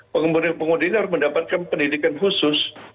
pengemudi pengemudi ini harus mendapatkan pendidikan khusus